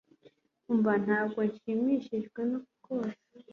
Umva ntabwo nshimishijwe rwose